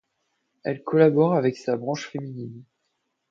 Elle collabore avec sa branche féminine.